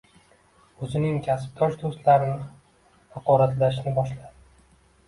Oʻzining kasbdosh doʻstlarini haqoratlashni boshlaydi